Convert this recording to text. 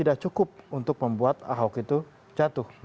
ini cukup untuk membuat ahok jatuh